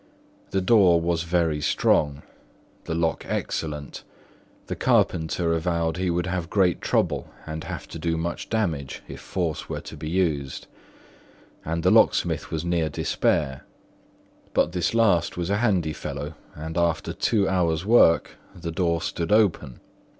The door was very strong, the lock excellent; the carpenter avowed he would have great trouble and have to do much damage, if force were to be used; and the locksmith was near despair. But this last was a handy fellow, and after two hour's work, the door stood open.